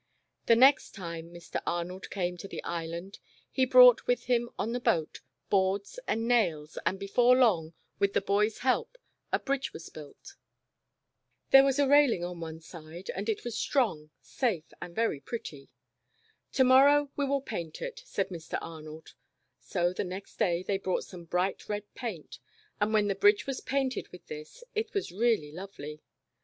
The next time Mr. Arnold came to the Island he brought with him on the boat, boards and nails, and before long, with the boy's help, a bridge was built. There 2 14 The Disobedient Island. was a railing on one side, and it was strong, safe, and very pretty. "To morrow, we will paint it," said Mr. Ar nold, so the next day they brought some bright red paint, and when the bridge was painted with this, it was really lovely.